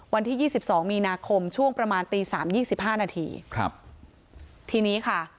วันที่ยี่สิบสองมีนาคมช่วงประมาณตีสามยี่สิบห้านาทีครับทีนี้ค่ะ